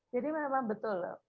jadi memang betul